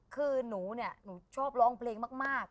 คือหนูเนี่ยหนูชอบร้องเพลงมาก